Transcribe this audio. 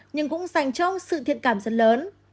nhưng cũng dành cho ông sự thiện cảm rất lớn